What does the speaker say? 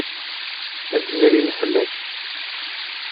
Ad d-zrin fell-ak.